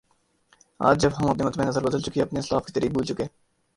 آج جب ہم اپنا مطمع نظر بدل چکے اپنے اسلاف کے طریق بھول چکے